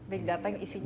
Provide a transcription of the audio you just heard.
big data isinya apa saja